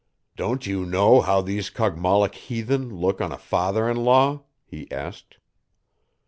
"Don't you know how these Kogmollock heathen look on a father in law?" he asked.